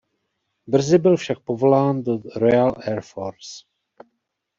Brzy byl však povolán do Royal Air Force.